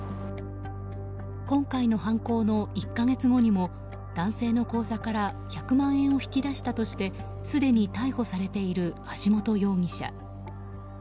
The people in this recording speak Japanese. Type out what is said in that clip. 今回の犯行の１か月後にも男性の口座から１００万円を引き出したとしてすでに逮捕されている橋本容疑者。